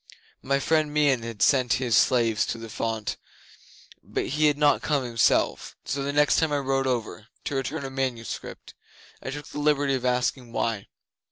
My friend Meon had sent his slaves to the font, but he had not come himself, so the next time I rode over to return a manuscript I took the liberty of asking why.